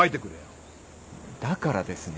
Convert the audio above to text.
だからですね。